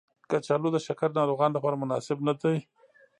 کچالو د شکرې ناروغانو لپاره مناسب ندی.